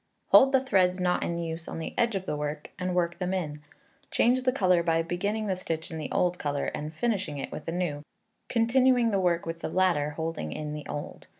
Hold the threads not in use on the edge of the work, and work them in. Change the colour by beginning the stitch in the old colour, and finishing it with the new, continuing the work with the latter holding in the old.